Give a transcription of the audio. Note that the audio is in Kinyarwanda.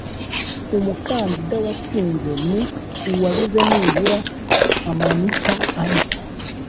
umukandida watsinze ni uwagize nibura amanita ane